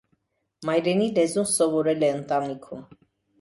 Մայրենի լեզուն սովորել է ընտանիքում։